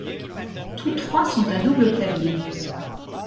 Tous trois sont à double clavier.